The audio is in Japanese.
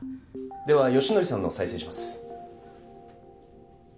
では良典さんのを再生します